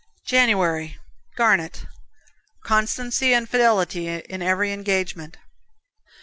January, Garnet. Constancy and fidelity in every engagement.